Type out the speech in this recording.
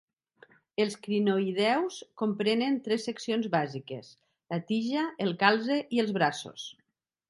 Els crinoïdeus comprenen tres seccions bàsiques: la tija, el calze, i els braços.